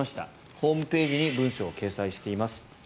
ホームページに文書を掲載しています。